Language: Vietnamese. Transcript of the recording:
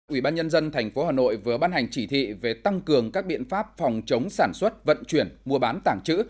ủy ban nhân dân tp hà nội vừa ban hành chỉ thị về tăng cường các biện pháp phòng chống sản xuất vận chuyển mua bán tảng trữ